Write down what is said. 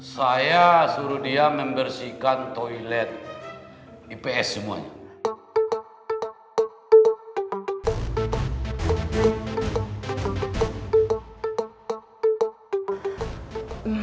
saya suruh dia membersihkan toilet ips semuanya